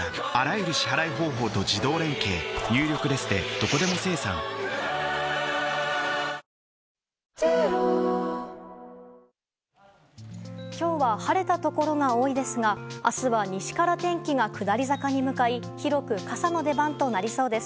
今日とは一転して今日は晴れたところが多いですが明日は西から天気が下り坂に向かい広く傘の出番となりそうです。